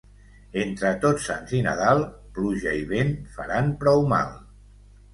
Entre Tots Sants i Nadal, pluja i vent faran prou mal.